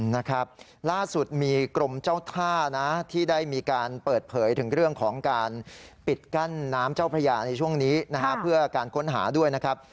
นะครับล่าสุดมีกรมเจ้าท่านะที่ได้มีการเปิดเผยถึงเรื่องของการปิดกั้นน้ำเจ้าพระยาในช่วงนี้นะฮะเพื่อการค้นหาด้วยนะครับ